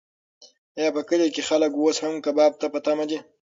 ایا په کلي کې خلک اوس هم کباب ته په تمه دي؟